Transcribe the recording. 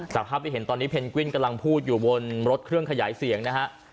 ภาพที่เห็นตอนนี้เพนกวินกำลังพูดอยู่บนรถเครื่องขยายเสียงนะฮะ